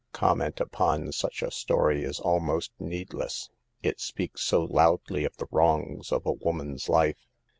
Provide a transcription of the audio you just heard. "Comment upon such a story is almost needless ; it speaks so loudly of the wrongs of a woman's life.